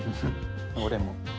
俺も。